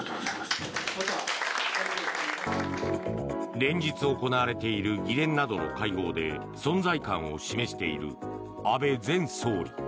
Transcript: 連日行われている議連などの会合で存在感を示している安倍前総理。